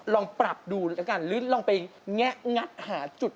ลองปรับดูแล้วกันหรือลองไปแงะงัดหาจุด